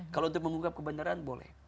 kalau untuk mengungkap kebenaran boleh